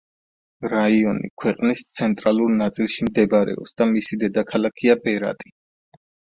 რაიონი ქვეყნის ცენტრალურ ნაწილში მდებარეობს და მისი დედაქალაქია ბერატი.